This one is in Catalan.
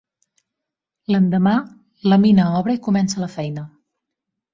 L'endemà, la mina obre i comença la feina.